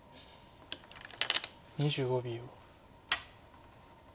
２５秒。